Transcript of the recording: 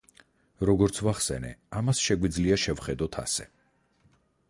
როგორც ვახსენე, ამას შეგვიძლია შევხედოთ ასე.